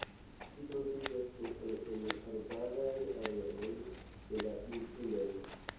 Ĝi troviĝas ĉefe en arbaraj areoj de la insuloj.